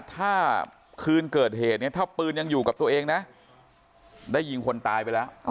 ถ้าคืนเกิดเหตุถ้าปืนยังบรรทีตัวเองได้หญิงคนตายไปแล้ว